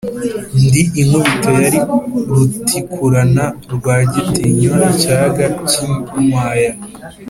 ndi inkubito ya rutikurana, rwagitinywa icyaga cy'inkwaya,